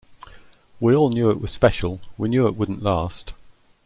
We all knew it was special, we knew it wouldn't last.